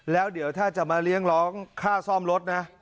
แล้วเดี๋ยวถ้าจะมาเลี้ยงร้องค่าซ่อมรถนะ